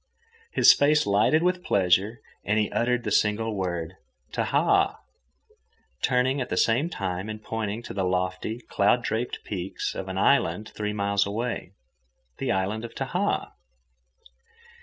His face lighted with pleasure and he uttered the single word, "Tahaa," turning at the same time and pointing to the lofty, cloud draped peaks of an island three miles away—the island of Tahaa.